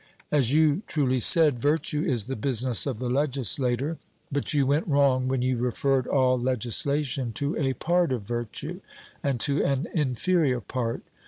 As you truly said, virtue is the business of the legislator; but you went wrong when you referred all legislation to a part of virtue, and to an inferior part.